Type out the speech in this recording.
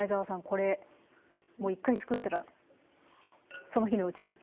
これもう１回作ったらその日のうちに。